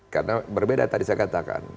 karena berbeda tadi saya katakan